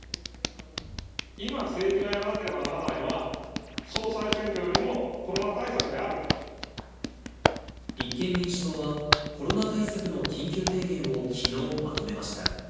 今、政治がやらなければいけないのは、総裁選挙よりもコロナ対策である立憲民主党は、コロナ対策の緊急提言をきのうまとめました。